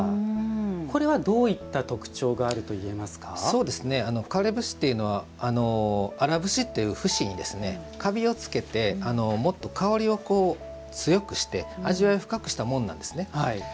これはどういった特徴があると枯節というのは荒節という節にかびをつけてもっと香りを強くして味わい深くしたものなんですね。